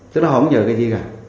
tức là họ không nhớ cái gì cả